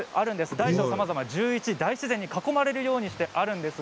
大小さまざまな１１の生けすが大自然に囲まれるようにしてあります。